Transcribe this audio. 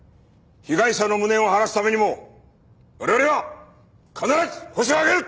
被害者の無念を晴らすためにも我々が必ずホシを挙げる！